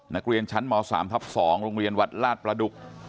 นักเรียนชั้นม๓ทับ๒โรงเรียนวัดลาดประดุก